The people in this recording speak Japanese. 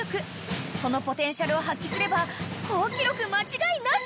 ［そのポテンシャルを発揮すれば好記録間違いなし］